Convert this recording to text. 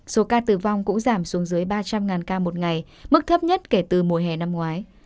số ca tử vong cũng giảm xuống dưới ba trăm linh ca một ngày mức thấp nhất kể từ mùa hè năm ngoái